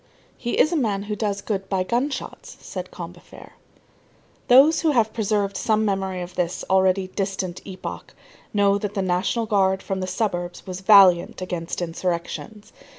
"He is a man who does good by gun shots," said Combeferre. Those who have preserved some memory of this already distant epoch know that the National Guard from the suburbs was valiant against insurrections.